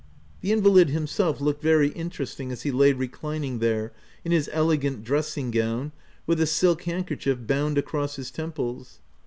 The invalid himself looked very interesting as he lay reclining there, in his elegant dressing gown, with a silk handkerchief bound across his temples.